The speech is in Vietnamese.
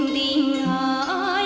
đi em đi